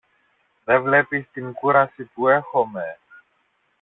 Δε βλέπεις την κούραση που έχομε.